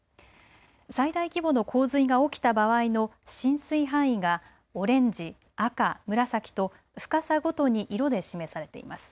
最大規模の洪水が起きた場合の浸水範囲がオレンジ赤、紫と深さごとに色で示されています。